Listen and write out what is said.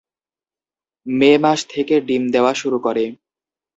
মে মাস থেকে ডিম দেওয়া শুরু করে।